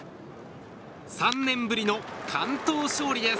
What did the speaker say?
３年ぶりの完投勝利です。